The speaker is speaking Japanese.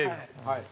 はい。